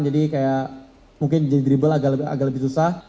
jadi kayak mungkin jadi dribble agak lebih susah